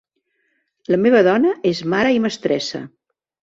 La meva dona és mare i mestressa.